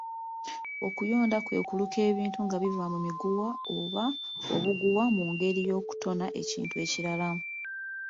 Okuyonda kwe kuluka ebintu nga biva mu miguwa oba obuguwa mu ngeri y'okutona ekintu ekirala.